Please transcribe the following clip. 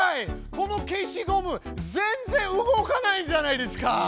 この消しゴム全然動かないじゃないですか！